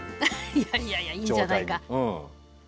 いやいやいやいいんじゃないか。